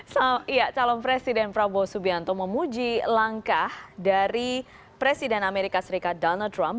salam iya calon presiden prabowo subianto memuji langkah dari presiden amerika serikat donald trump